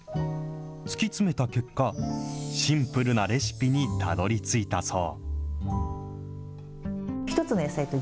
突き詰めた結果、シンプルなレシピにたどりついたそう。